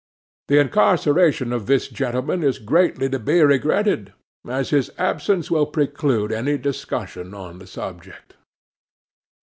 The incarceration of this gentleman is greatly to be regretted, as his absence will preclude any discussion on the subject.